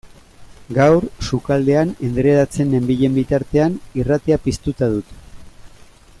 Gaur, sukaldean endredatzen nenbilen bitartean, irratia piztuta dut.